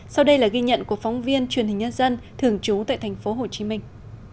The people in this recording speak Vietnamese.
sau đây là ghi nhận của phóng viên truyền hình nhân dân thường trú tại thành phố hồ chí minh